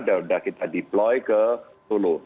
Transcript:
dan udah kita deploy ke solo